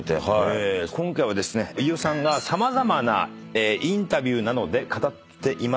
今回はですね飯尾さんが様々なインタビューなどで語っています